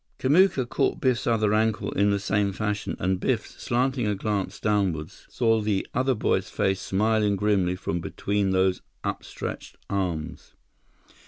Kamuka caught Biff's other ankle in the same fashion, and Biff, slanting a glance downward, saw the other boy's face smiling grimly from between those upstretched arms.